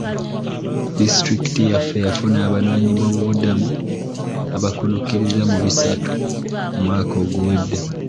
Disitulikiti yaffe yafuna abanoonyi bobubuddamo abakunukiriza mu bisatu omwaka oguwedde.